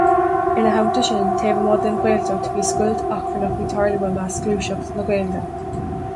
Ina theannta sin, taobh amuigh den Ghaeltacht, bhí scoilt achrannach ag tarlú i measc ghluaiseacht na Gaeilge.